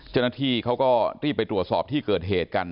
เจ้าหน้าที่เขาก็รีบไปตรวจสอบที่เกิดเหตุกัน